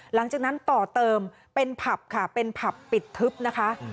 หลังจากนั้นต่อเติมเป็นผับค่ะเป็นผับปิดทึบนะคะ